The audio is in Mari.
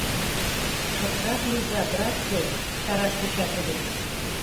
— Шыпрак лийза, братцы! — чараш тӧча тудо.